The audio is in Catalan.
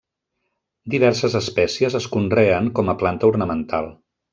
Diverses espècies es conreen com a planta ornamental.